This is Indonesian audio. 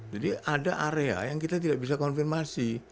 jadi ada area yang kita tidak bisa konfirmasi